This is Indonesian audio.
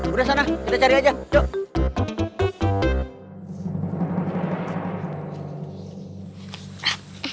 sudah sana kita cari aja